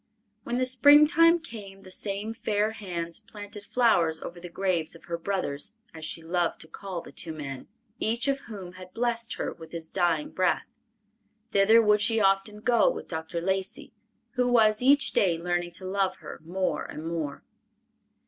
When the springtime came, the same fair hands planted flowers over the graves of her brothers, as she loved to call the two men, each of whom had blessed her with his dying breath. Thither would she often go with Dr. Lacey, who was each day learning to love her more and more.